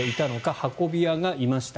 運び屋がいました。